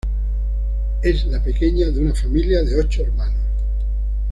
Es la pequeña de una familia de ocho hermanos.